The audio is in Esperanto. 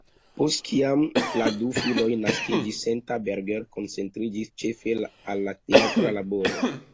Post kiam la du filoj naskiĝis, Senta Berger koncentriĝis ĉefe al la teatra laboro.